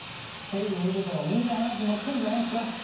テレビ見ててもみんな話盛ってるんじゃないですか？